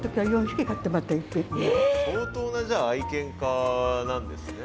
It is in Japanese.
相当なじゃあ愛犬家なんですね。